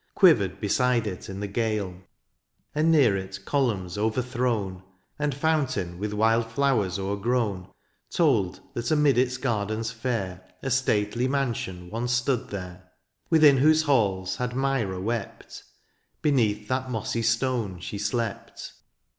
Quivered beside it in the gale : And near it columns overthrown. And fountain with wild flowers overgrown. Told that amid its gardens fair A stately mansion once stood there ; Within whose halls had Myra wept ;— Beneath that mossy stone she slept.